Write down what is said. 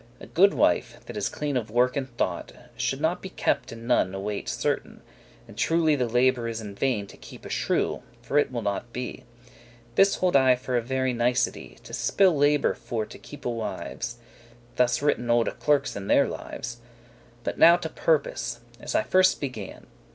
A good wife, that is clean of work and thought, Should not be kept in none await* certain: *observation And truely the labour is in vain To keep a shrewe,* for it will not be. *ill disposed woman This hold I for a very nicety,* *sheer folly To spille* labour for to keepe wives; *lose Thus writen olde clerkes in their lives. But now to purpose, as I first began.